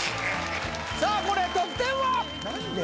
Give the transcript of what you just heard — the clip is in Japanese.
さあこれ得点は？